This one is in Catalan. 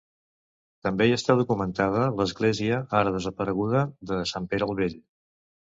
També hi està documentada l'església, ara desapareguda, de Sant Pere el Vell.